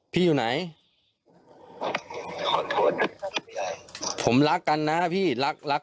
จัดงานศพผมด้วยครับผู้ใหญ่ครับ